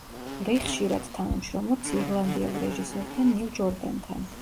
რი ხშირად თანამშრომლობს ირლანდიელ რეჟისორთან ნილ ჯორდანთან.